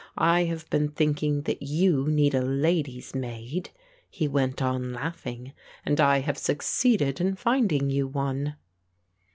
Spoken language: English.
I have been thinking that you need a lady's maid," he went on, laughing, "and I have succeeded in finding you one."